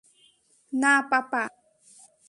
না, পাপা।